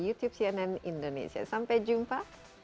youtube cnn indonesia sampai jumpa